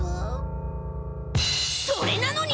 それなのに！